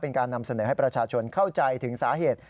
การนำเสนอให้ประชาชนเข้าใจถึงสาเหตุ